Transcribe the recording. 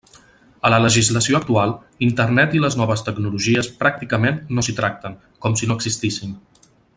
A la legislació actual, Internet i les noves tecnologies pràcticament no s'hi tracten, com si no existissin.